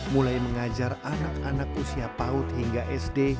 mulai mengajar anak anak usia paut hingga sd